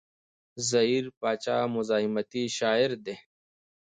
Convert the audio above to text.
زهير باچا مزاحمتي شاعر دی.